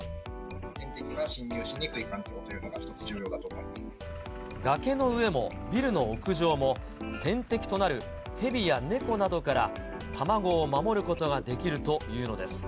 天敵が侵入しにくい環境とい崖の上もビルの屋上も、天敵となる蛇や猫などから卵を守ることができるというのです。